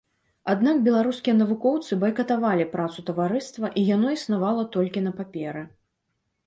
Аднак беларускія навукоўцы байкатавалі працу таварыства, і яно існавала толькі на паперы.